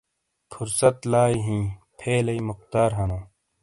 فرصت لائی ہِیں، فعلئی مختار ہنو۔